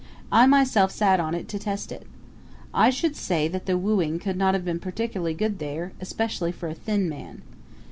I myself sat on it to test it. I should say that the wooing could not have been particularly good there, especially for a thin man.